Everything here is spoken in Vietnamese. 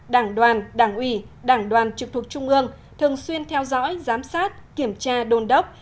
đảng đoàn đảng ủy đảng đoàn trực thuộc trung ương thường xuyên theo dõi giám sát kiểm tra đôn đốc